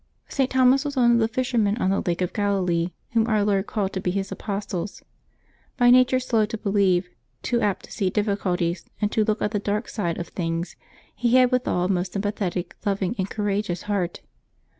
[t. Thomas was one of the fishermen on the Lake of Galilee whom Our Lord called to be His apostles. By nature slow to believe, too apt to see difficulties, and to look at the dark side of things, he had withal a most sjrm pathetic, loving, and courageous heart.